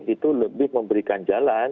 itu lebih memberikan jalan